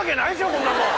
こんなもん